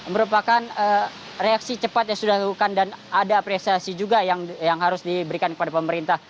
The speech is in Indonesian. merupakan reaksi cepat yang sudah dilakukan dan ada apresiasi juga yang harus diberikan kepada pemerintah